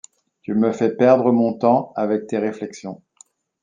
Tu me fais perdre mon temps avec tes réflexions.